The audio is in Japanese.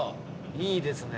いいですね。